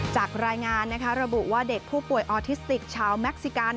จากรายงานนะคะระบุว่าเด็กผู้ป่วยออทิสติกชาวแม็กซิกัน